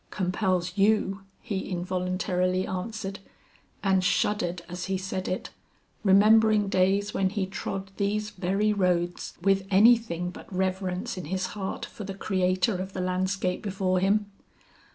"Compels you," he involuntarily answered. And shuddered as he said it, remembering days when he trod these very roads with anything but reverence in his heart for the Creator of the landscape before him.